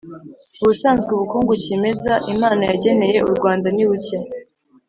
ubusanzwe ubukungu cyimeza imana yageneye u rwanda ni buke